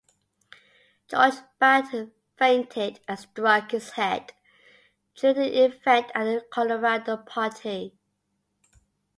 Jorge Batlle fainted and struck his head during an event at the Colorado party.